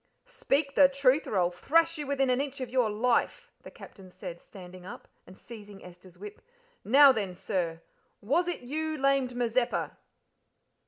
"Speak the truth, or I'll thrash you within an inch of your life," the Captain said, standing up, and seizing Esther's whip: "Now then, sir was it you lamed Mazeppa?"